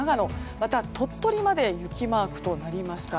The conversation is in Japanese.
また、鳥取まで雪マークとなりました。